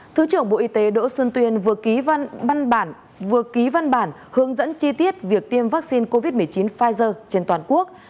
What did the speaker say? thứ trưởng bộ y tế đỗ xuân tuyên vừa ký văn bản hướng dẫn chi tiết việc tiêm vaccine covid một mươi chín pfizer trên toàn quốc